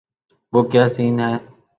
وہ کیا سین ہے۔